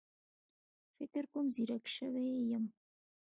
فکر کوم ځيرک شوی يم